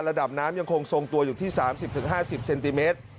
ระดับน้ำยังคงทรงตัวอยู่ที่๓๐๕๐เซนติเมตร